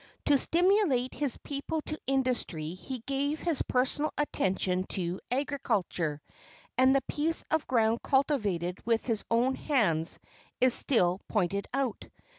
To stimulate his people to industry he gave his personal attention to agriculture, and the piece of ground cultivated with his own hands is still pointed out.